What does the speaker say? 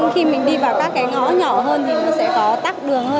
khi mình đi vào các cái ngõ nhỏ hơn thì nó sẽ có tắc đường hơn